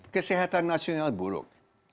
kesehatan nasional buruk